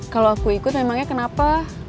kalau aku ikut memangnya kenapa